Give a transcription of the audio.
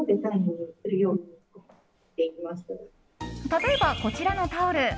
例えば、こちらのタオル。